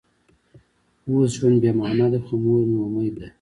اوس ژوند بې معنا دی خو مور مې امید دی